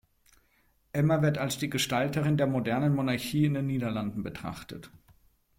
Emma wird als die Gestalterin der modernen Monarchie in den Niederlanden betrachtet.